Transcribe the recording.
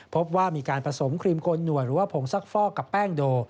พบว่ามีการผสมครีมโกนหน่วยหรือว่าผงซักฟอกกับแป้งโด